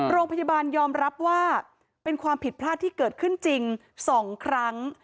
โรงพยาบาลยอมรับว่าเป็นความผิดพลาดที่เกิดขึ้นจริง๒ครั้ง